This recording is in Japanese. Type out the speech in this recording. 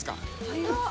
早っ！